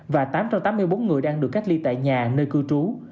và tám trăm tám mươi bốn người đang được cách ly tại nhà nơi cư trú